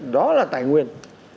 đó là tài năng